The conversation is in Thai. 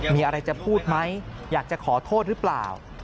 มีอะไรจะพูดไหมอยากจะขอโทษหรือเปล่า